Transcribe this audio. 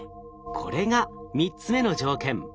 これが３つ目の条件。